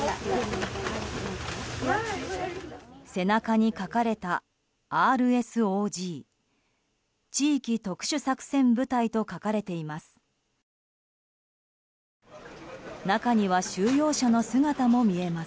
背中に書かれたＲＯＳＧ地域特殊作戦部隊と書かれています。